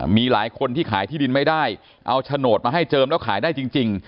มีหลายคนที่ขายที่ดินไม่ได้เอาโฉนดมาให้เจิมแล้วขายได้จริง